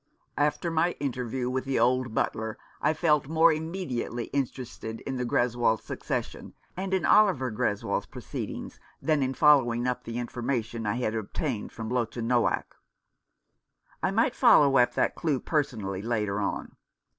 After my interview with the old butler I felt more immediately interested in the Greswold succession and in Oliver Greswold's proceedings than in following up the information I had obtained from Lottchen Noack. I might follow up that clue personally later on.